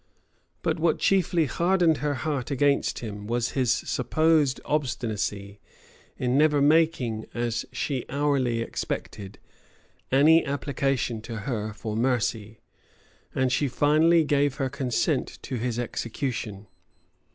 But what chiefly hardened her heart against him was his supposed obstinacy, in never making, as she hourly expected, any application to her for mercy; and she finally gave her consent to his execution.